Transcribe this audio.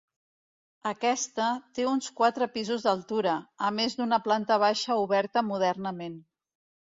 Aquesta, té uns quatre pisos d'altura, a més d'una planta baixa oberta modernament.